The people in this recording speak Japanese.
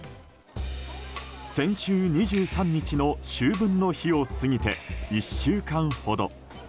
先週２３日の秋分の日を過ぎて１週間ほど。